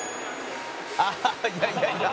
「いやいやいや。